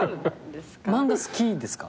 漫画好きですか？